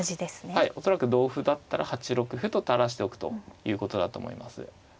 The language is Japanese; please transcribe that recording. はい恐らく同歩だったら８六歩と垂らしておくということだと思います。